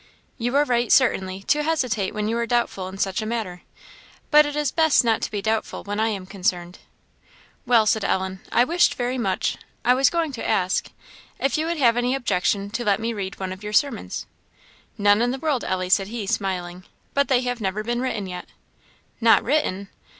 "You are right, certainly, to hesitate when you are doubtful in such a matter; but it is best not to be doubtful when I am concerned." "Well," said Ellen, "I wished very much I was going to ask if you would have any objection to let me read one of your sermons." "None in the world, Ellie," said he, smiling; "but they have never been written yet." "Not written!"